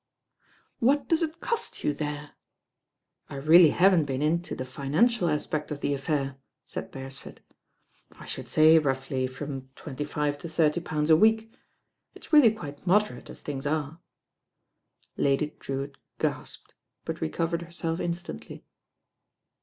"What does it cost you there?'* "I really haven't been into the financial aspect of the affair," said Beresford. "I should say roughly from twenty five to thirty pounds a week. It's really quite moderate as things are." Lady Drewitt gasped; but recovered herself in stantly.